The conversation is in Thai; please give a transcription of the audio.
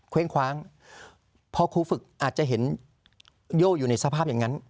ว้งคว้างพอครูฝึกอาจจะเห็นโย่อยู่ในสภาพอย่างนั้น